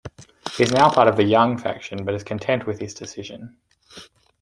He's now part of the Young faction but is content with his decision.